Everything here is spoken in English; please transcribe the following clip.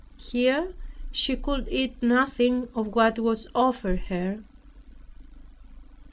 Here she could eat nothing of what was offered her.